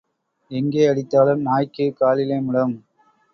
எங்கே அடித்தாலும், நாய்க்குக் காலிலே முடம்.